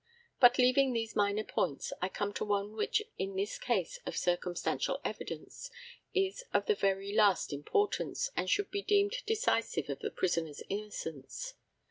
But, leaving these minor points, I come to one which in this case of circumstantial evidence is of the very last importance, and should be deemed decisive of the prisoner's innocence.